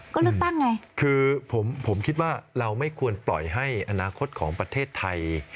ก็เลือกตั้งไงคือผมคิดว่าเราไม่ควรปล่อยให้อนาคตของประเทศไทย